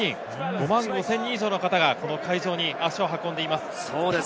５万５０００人以上の方がこの会場に足を運んでいます。